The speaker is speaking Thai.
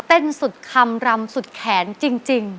สุดคำรำสุดแขนจริง